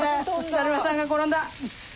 だるまさんが転んだ！